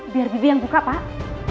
biar bibi yang buka pak